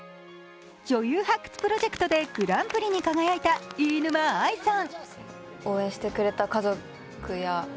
女優発掘プロジェクトでグランプリに輝いた飯沼愛さん。